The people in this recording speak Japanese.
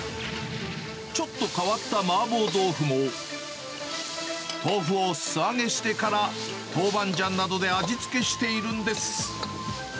ちょっと変わった麻婆豆腐も、豆腐を素揚げしてからトウバンジャンなどで味付けしているんです。